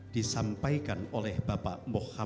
disampaikan oleh bapak muhammad mas guwani